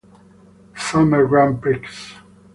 Summer Grand Prix